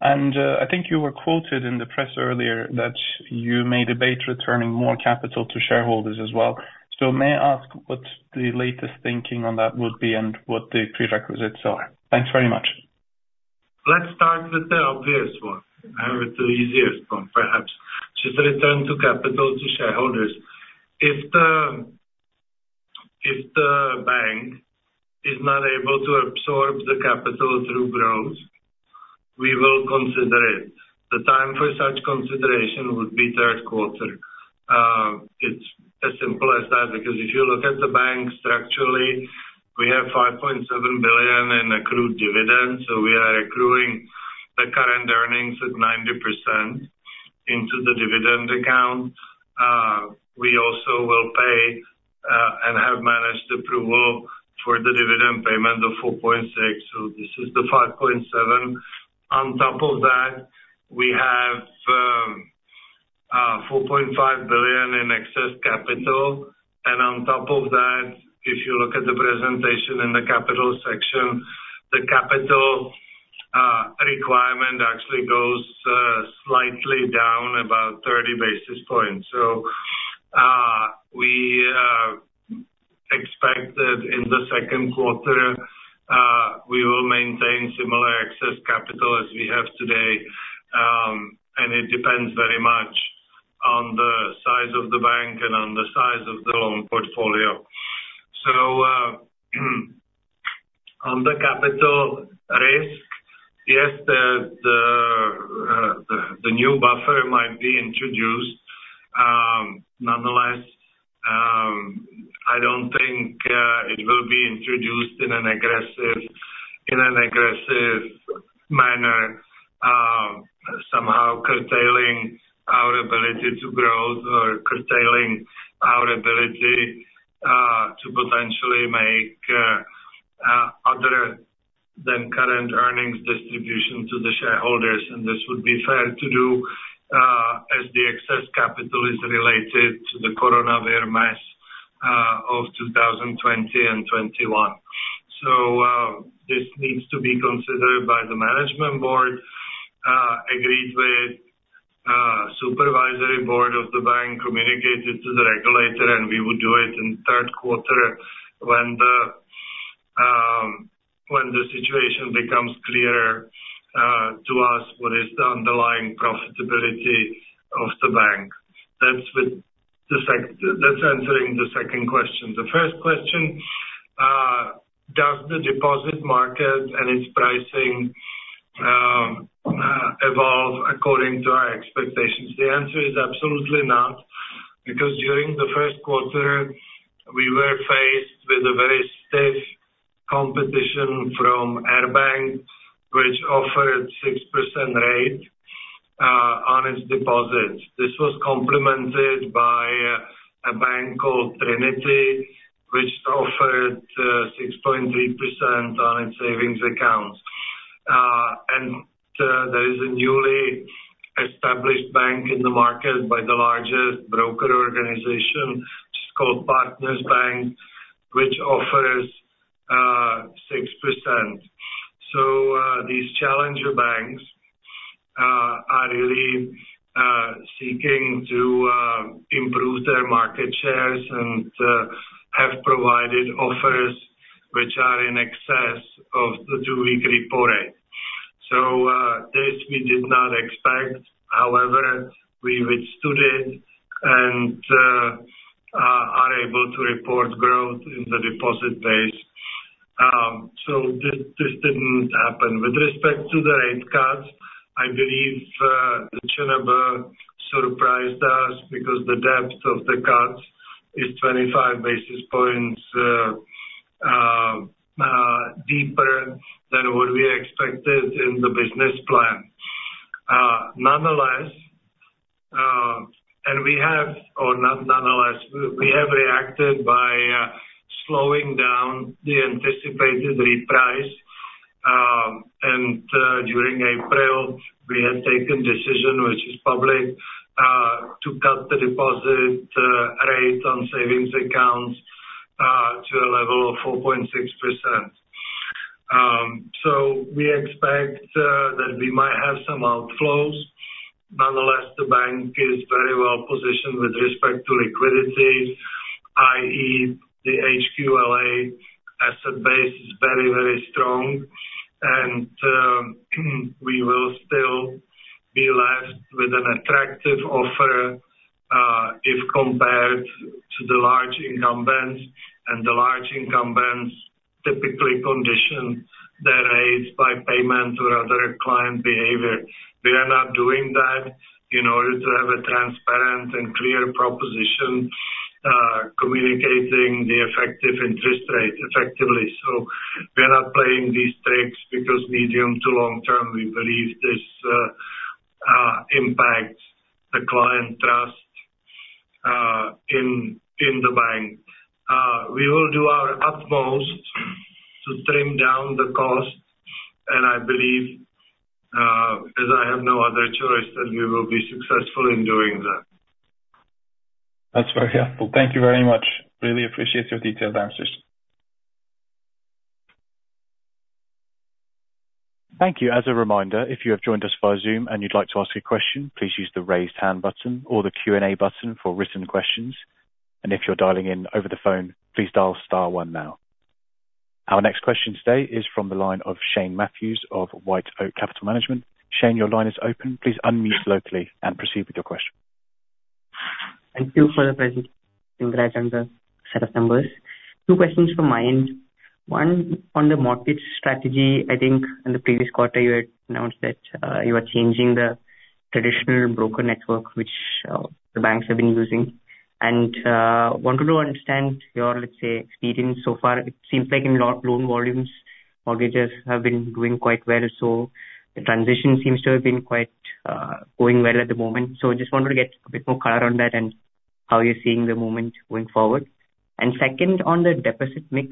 H: And I think you were quoted in the press earlier that you may debate returning more capital to shareholders as well. So, may I ask what the latest thinking on that would be and what the prerequisites are? Thanks very much.
B: Let's start with the obvious one, or the easiest one, perhaps, which is the return to capital to shareholders. If the bank is not able to absorb the capital through growth, we will consider it. The time for such consideration would be third quarter. It's as simple as that because if you look at the bank structurally, we have 5.7 billion in accrued dividends. So, we are accruing the current earnings at 90% into the dividend account. We also will pay and have managed approval for the dividend payment of 4.6. So, this is the 5.7. On top of that, we have 4.5 billion in excess capital. And on top of that, if you look at the presentation in the capital section, the capital requirement actually goes slightly down, about 30 basis points. So, we expect that in the second quarter, we will maintain similar excess capital as we have today. And it depends very much on the size of the bank and on the size of the Loan portfolio. So, on the capital risk, yes, the new buffer might be introduced. Nonetheless, I don't think it will be introduced in an aggressive manner, somehow curtailing our ability to grow or curtailing our ability to potentially make other than current earnings distribution to the shareholders. This would be fair to do as the excess capital is related to the coronavirus mess of 2020 and 2021. So, this needs to be considered by the management board, agreed with supervisory board of the bank, communicated to the regulator, and we would do it in third quarter when the situation becomes clearer to us, what is the underlying profitability of the bank. That's answering the second question. The first question, does the deposit market and its pricing evolve according to our expectations? The answer is absolutely not because during the first quarter, we were faced with a very stiff competition from Air Bank, which offered a 6% rate on its deposits. This was complemented by a bank called Trinity Bank, which offered 6.3% on its savings accounts. And there is a newly established bank in the market by the largest broker organization. It's called Partners Bank, which offers 6%. So, these challenger banks are really seeking to improve their market shares and have provided offers which are in excess of the two-week repo rate. So, this, we did not expect. However, we withstood it and are able to report growth in the deposit base. So, this didn't happen. With respect to the rate cuts, I believe the CNB surprised us because the depth of the cuts is 25 basis points deeper than what we expected in the business plan. Nonetheless, we have reacted by slowing down the anticipated reprice. And during April, we had taken a decision, which is public, to cut the deposit rate on savings accounts to a level of 4.6%. So, we expect that we might have some outflows. Nonetheless, the bank is very well positioned with respect to liquidity, i.e., the HQLA asset base is very, very strong. We will still be left with an attractive offer if compared to the large incumbents. The large incumbents typically condition their rates by payment or other client behavior. We are not doing that in order to have a transparent and clear proposition communicating the effective interest rate effectively. We are not playing these tricks because medium to long term, we believe this impacts the client trust in the bank. We will do our utmost to trim down the cost. I believe, as I have no other choice, that we will be successful in doing that.
H: That's very helpful. Thank you very much. Really appreciate your detailed answers.
A: Thank you. As a reminder, if you have joined us via Zoom and you'd like to ask a question, please use the raised hand button or the Q&A button for written questions. If you're dialing in over the phone, please dial star one now. Our next question today is from the line of Shane Matthews of White Oak Capital Management. Shane, your line is open. Please unmute locally and proceed with your question.
I: Thank you for the presentation. Congrats on the set of numbers. Two questions from my end. One, on the market strategy, I think in the previous quarter, you had announced that you are changing the traditional broker network, which the banks have been using. I wanted to understand your, let's say, experience so far. It seems like in loan volumes, mortgages have been doing quite well. So, the transition seems to have been going well at the moment. So, I just wanted to get a bit more color on that and how you're seeing the moment going forward. And second, on the deposit mix,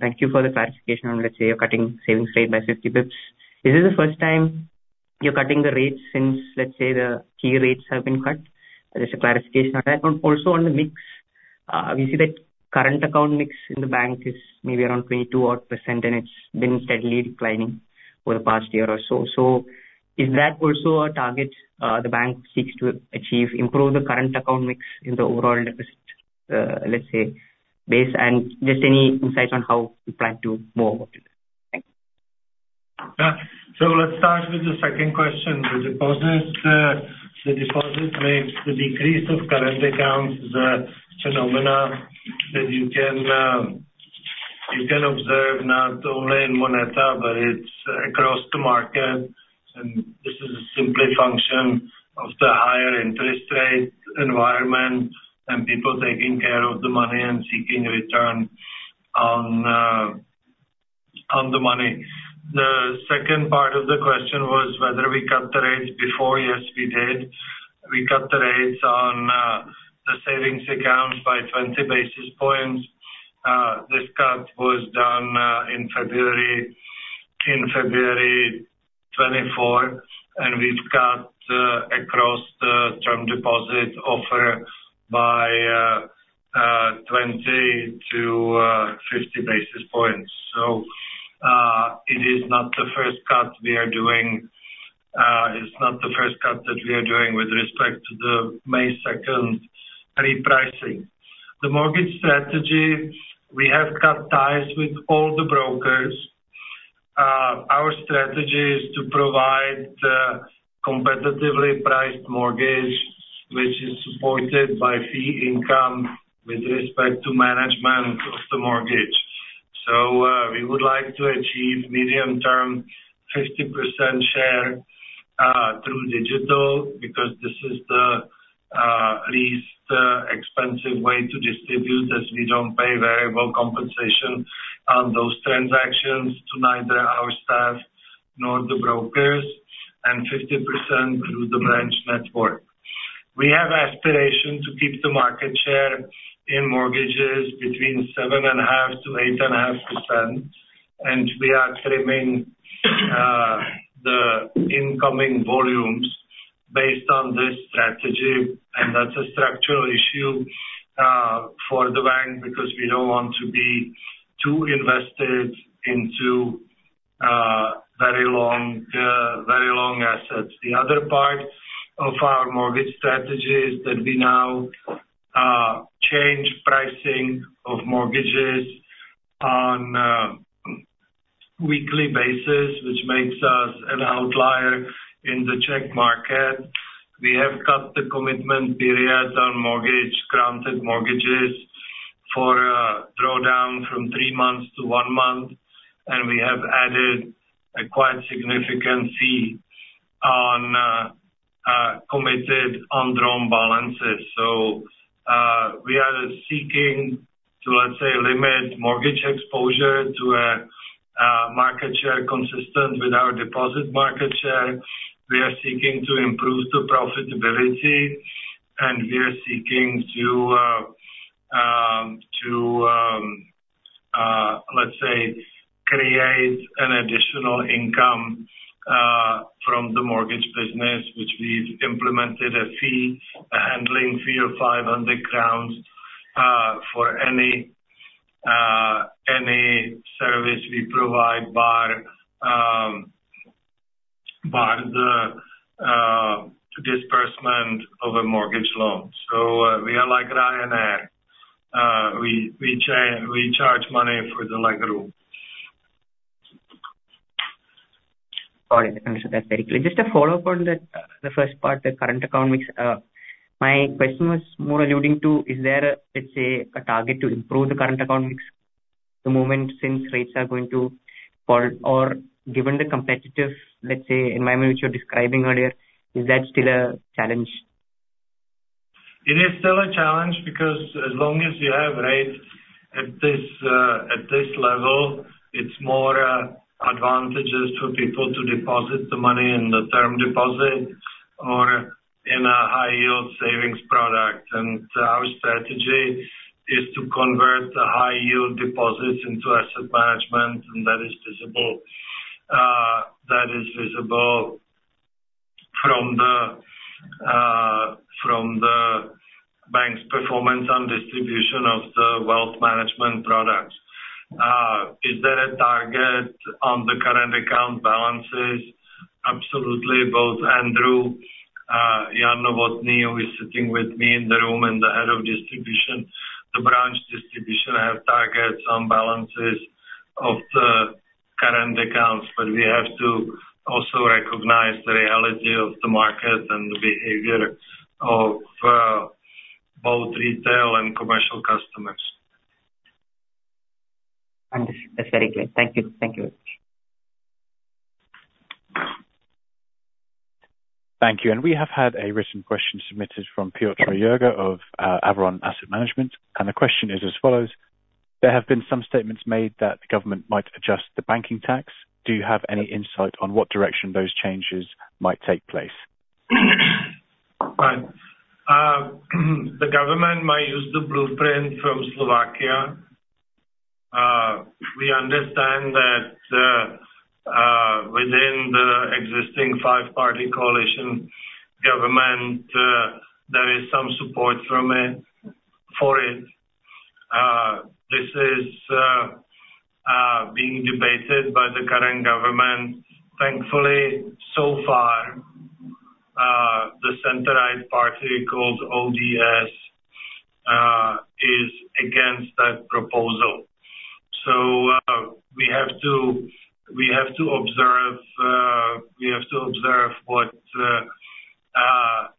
I: thank you for the clarification on, let's say, you're cutting savings rate by 50 bps. Is this the first time you're cutting the rates since, let's say, the key rates have been cut? Just a clarification on that. And also on the mix, we see that current account mix in the bank is maybe around 22-odd%, and it's been steadily declining over the past year or so. So, is that also a target the bank seeks to achieve, improve the current account mix in the overall deposit, let's say, base? And just any insights on how you plan to move forward with this? Thank you.
B: So let's start with the second question. The deposit makes the decrease of current accounts the phenomena that you can observe not only in MONETA but it's across the market. And this is simply a function of the higher interest rate environment and people taking care of the money and seeking return on the money. The second part of the question was whether we cut the rates before. Yes, we did. We cut the rates on the savings accounts by 20 basis points. This cut was done in February 2024. And we've cut across the term deposit offer by 20-50 basis points. So, it is not the first cut we are doing it's not the first cut that we are doing with respect to the May 2nd repricing. The mortgage strategy, we have cut ties with all the brokers. Our strategy is to provide a competitively priced mortgage, which is supported by fee income with respect to management of the mortgage. We would like to achieve medium-term 50% share through digital because this is the least expensive way to distribute as we don't pay variable compensation on those transactions to neither our staff nor the brokers and 50% through the branch network. We have aspiration to keep the market share in mortgages between 7.5%-8.5%. We are trimming the incoming volumes based on this strategy. That's a structural issue for the bank because we don't want to be too invested into very long assets. The other part of our mortgage strategy is that we now change pricing of mortgages on a weekly basis, which makes us an outlier in the Czech market. We have cut the commitment periods on granted mortgages for a drawdown from three months to one month. We have added a quite significant fee committed on drawn balances. We are seeking to, let's say, limit mortgage exposure to a market share consistent with our deposit market share. We are seeking to improve the profitability. We are seeking to, let's say, create an additional income from the Mortgage business, which we've implemented a handling fee of 500 crowns for any service we provide bar the disbursement of a mortgage loan. We are like Ryanair. We charge money for the leg room.
I: Sorry to interrupt that very quickly. Just a follow-up on the first part, the current account mix. My question was more alluding to, is there, let's say, a target to improve the current account mix at the moment since rates are going to fall? Or given the competitive, let's say, environment which you're describing earlier, is that still a challenge?
B: It is still a challenge because as long as you have rates at this level, it's more advantageous for people to deposit the money in the term deposit or in a high-yield savings product. And our strategy is to convert the high-yield deposits into asset management. And that is visible from the bank's performance on distribution of the wealth management products. Is there a target on the current account balances? Absolutely. Both Andrew and Jan Novotný, who is sitting with me in the room, and the head of the branch distribution have targets on balances of the current accounts. But we have to also recognize the reality of the market and the behavior of both retail and commercial customers.
I: Understood. That's very clear. Thank you. Thank you very much.
A: Thank you. We have had a written question submitted from Piotr Jurga of Avron Asset Management. The question is as follows. There have been some statements made that the government might adjust the banking tax. Do you have any insight on what direction those changes might take place?
B: Right. The government might use the blueprint from Slovakia. We understand that within the existing five-party coalition government, there is some support for it. This is being debated by the current government. Thankfully, so far, the center-right party called ODS is against that proposal. So, we have to observe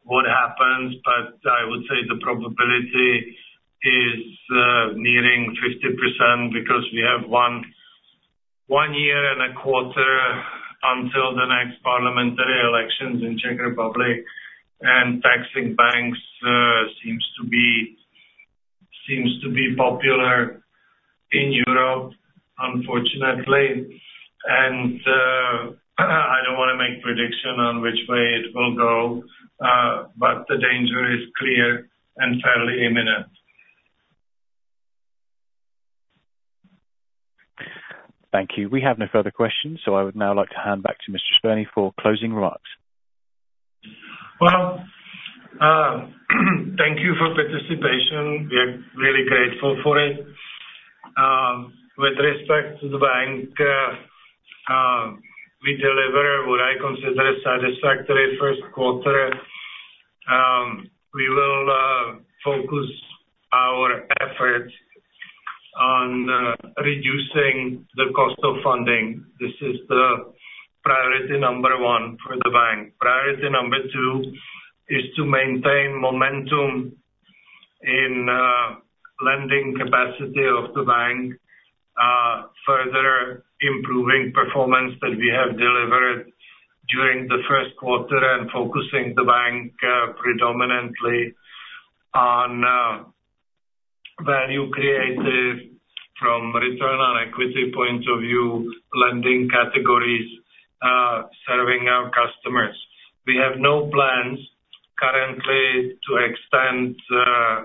B: what happens. But I would say the probability is nearing 50% because we have one year and a quarter until the next parliamentary elections in Czech Republic. Taxing banks seems to be popular in Europe, unfortunately. I don't want to make prediction on which way it will go. But the danger is clear and fairly imminent.
A: Thank you. We have no further questions. I would now like to hand back to Mr. Spurný for closing remarks.
B: Well, thank you for participation. We are really grateful for it. With respect to the bank, we deliver what I consider a satisfactory first quarter. We will focus our efforts on reducing the cost of funding. This is the priority number 1 for the bank. Priority number 2 is to maintain momentum in lending capacity of the bank, further improving performance that we have delivered during the first quarter, and focusing the bank predominantly on value creative from return on equity point of view, lending categories, serving our customers. We have no plans currently to extend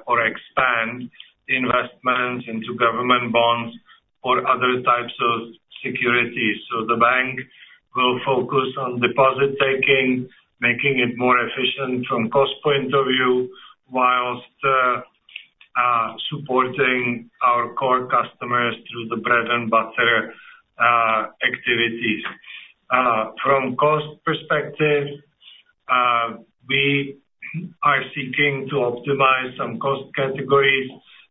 B: or expand investments into government bonds or other types of securities. The bank will focus on deposit-taking, making it more efficient from cost point of view while supporting our core customers through the bread and butter activities. From cost perspective, we are seeking to optimize some cost categories.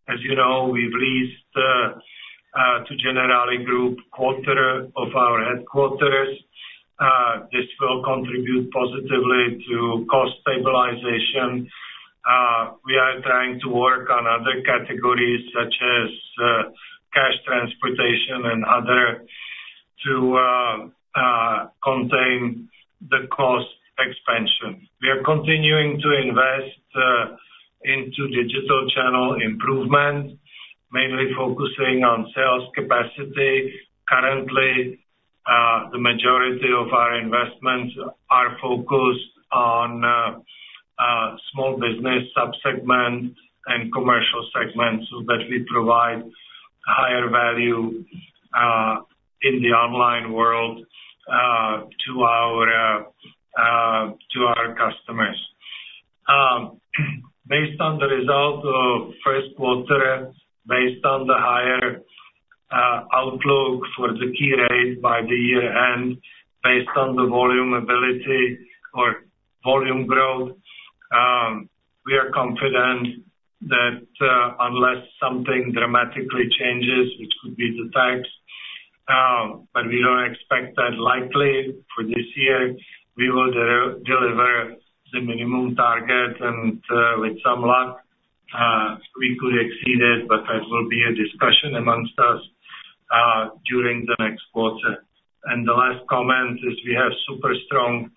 B: As you know, we've leased to Generali Group quarter of our headquarters. This will contribute positively to cost stabilization. We are trying to work on other categories such as cash transportation and other to contain the cost expansion. We are continuing to invest into digital channel improvement, mainly focusing on sales capacity. Currently, the majority of our investments are focused on small business subsegment and Commercial segments so that we provide higher value in the online world to our customers. Based on the result of first quarter, based on the higher outlook for the key rate by the year-end, based on the volume ability or volume growth, we are confident that unless something dramatically changes, which could be the tax but we don't expect that likely for this year, we will deliver the minimum target. With some luck, we could exceed it. That will be a discussion among us during the next quarter. The last comment is we have super strong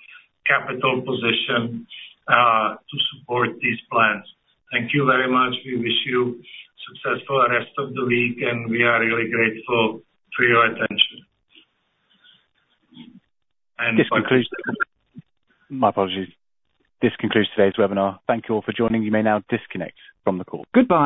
B: capital position to support these plans. Thank you very much. We wish you successful rest of the week. We are really grateful for your attention.
A: My apologies. This concludes today's webinar. Thank you all for joining. You may now disconnect from the call. Goodbye.